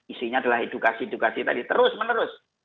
isinya adalah edukasi edukasi tadi terus menerus